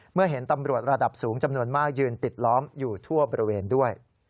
เมื่อเห็นตำรวจระดับสูงจำนวนมากยืนปิดล้อมอยู่ทั่วบริเวณด้วย